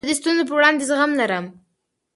زه د ستونزو په وړاندي زغم لرم.